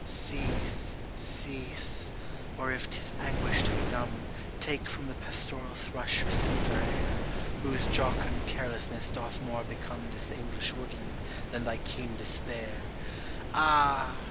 [93 3 Cease, cease, or if 'tis anguish to be dumb Take from the pastoral thrush her simpler air, Whose jocund carelessness doth more become This English woodland than thy keen despair, Ah